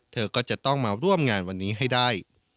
เธอก็จะต้องมาร่วมงานวันนี้ให้ได้